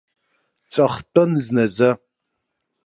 Ҵәахтәын зназы.